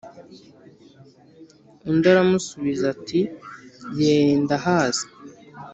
undi aramusubiza, ati: ye, ndahazi :